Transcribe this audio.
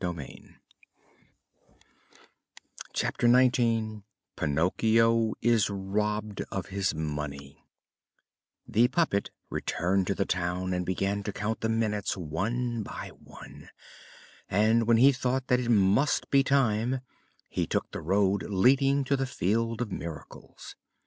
CHAPTER XIX PINOCCHIO IS ROBBED OF HIS MONEY The puppet returned to the town and began to count the minutes one by one, and when he thought that it must be time he took the road leading to the Field of Miracles.